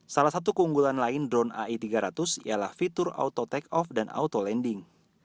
salah satu keunggulan lain drone ai tiga ratus ialah fitur auto take off dan auto landing